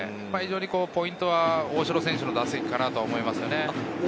ポイントは大城選手の打席かなと思います。